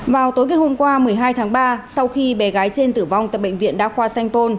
vào tối ngày hôm qua một mươi hai tháng ba sau khi bé gái trên tử vong tại bệnh viện đa khoa sanh pôn